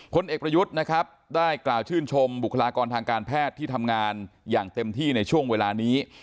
เอกประยุทธ์นะครับได้กล่าวชื่นชมบุคลากรทางการแพทย์ที่ทำงานอย่างเต็มที่ในช่วงเวลานี้